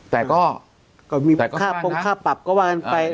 แต่ก็มีค่าปงค่าปรับก็ว่ากันไป